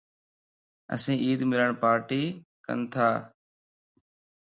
اسين عيد ملڻ پارٽي ڪنتا